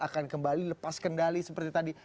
akan kembali lepas kendali seperti tadi